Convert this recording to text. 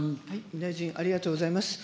大臣、ありがとうございます。